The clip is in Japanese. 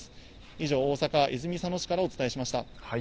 以上、大阪・泉佐野市からお伝えしました。